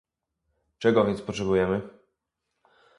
Czego więc potrzebujemy?